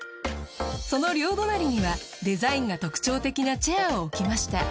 その両隣にはデザインが特徴的なチェアを置きました。